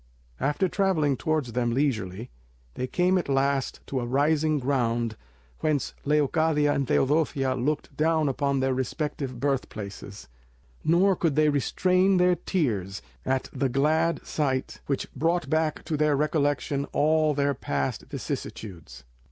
After travelling towards them leisurely, they came at last to a rising ground whence Leocadia and Teodosia looked down upon their respective birth places, nor could they restrain their tears at the glad sight which brought back to their recollection all their past vicissitudes.